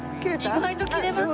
意外と切れます。